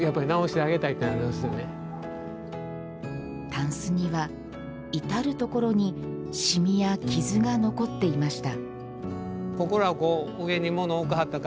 たんすには、至る所に染みや傷が残っていました。